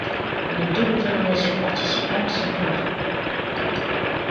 Les deux nouvelles nations participantes sont en gras.